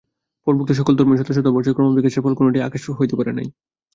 পূর্বোক্ত সকল ধর্মই শত শত বর্ষের ক্রমবিকাশের ফল, কোনটিই আকাশ হইতে পড়ে নাই।